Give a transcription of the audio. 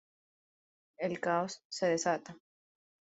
El caos se desata.